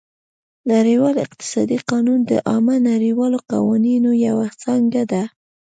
نړیوال اقتصادي قانون د عامه نړیوالو قوانینو یوه څانګه ده